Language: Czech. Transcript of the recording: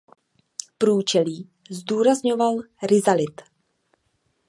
Průčelí zdůrazňoval rizalit.